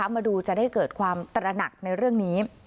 มาดูจะได้เกิดความตระหนักในเรื่องนี้